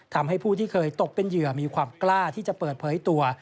ทำให้ผู้ที่เคยตกเป็นเหยื่อมีความกล้าที่จะเปิดเผยตัว